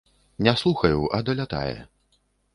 Не слухаю, а далятае.